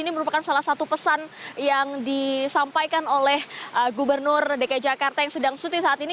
ini merupakan salah satu pesan yang disampaikan oleh gubernur dki jakarta yang sedang cuti saat ini